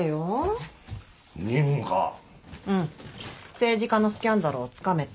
政治家のスキャンダルをつかめって。